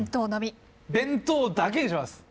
「弁当」だけにします。